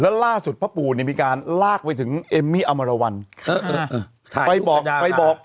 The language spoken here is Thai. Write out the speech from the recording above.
แล้วล่าสุดพ่อปู่เนี่ยมีการลากไปถึงเอมมี่อมรวรรณไปบอกไปบอก